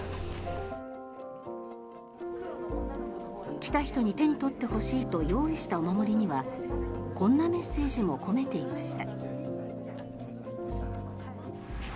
来た人に手に取ってほしいと用意したお守りにはこんなメッセージも込めていました。